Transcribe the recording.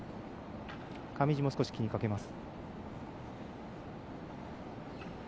上地も、少し気にかけています。